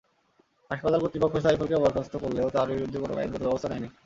হাসপাতাল কর্তৃপক্ষ সাইফুলকে বরখাস্ত করলেও তাঁর বিরুদ্ধে কোনো আইনগত ব্যবস্থা নেয়নি।